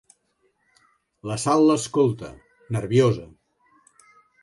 La Sal l'escolta, nerviosa.